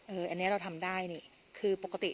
เอ่ออันนี้เราทำได้คือปกติ